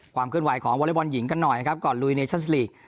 ความขึ้นไหวของวอเลบอลหญิงกันหน่อยครับก่อนลูอีเนชันซ์ลีก